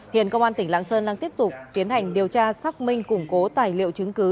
hiện công an tỉnh lạng sơn đang tiếp tục tiến hành điều tra xác minh củng cố tài liệu chứng cứ